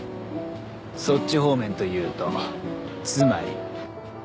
そっち方面というとつまり？